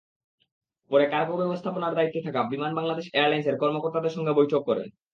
পরে কার্গো ব্যবস্থাপনার দায়িত্বে থাকা বিমান বাংলাদেশ এয়ারলাইনসের কর্মকর্তাদের সঙ্গে বৈঠক করেন।